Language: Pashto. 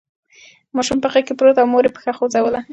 ماشوم په غېږ کې پروت و او مور یې پښه خوځوله.